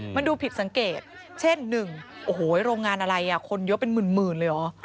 มันดูผิดสังเกตเช่น๑โอ้โหโรงงานอะไรคนเยอะเป็นหมื่นเลยเหรอ